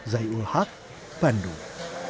zaiul haq bandung